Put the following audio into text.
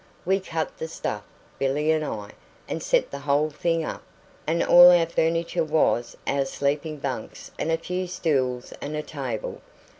We cut the stuff, Billy and I, and set the whole thing up; and all our furniture was our sleeping bunks and a few stools and a table.